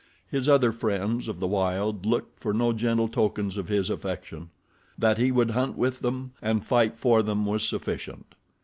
His other friends of the wild looked for no gentle tokens of his affection. That he would hunt with them and fight for them was sufficient.